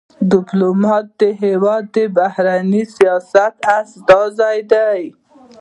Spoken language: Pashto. ډيپلومات د هېواد د بهرني سیاست استازی دی.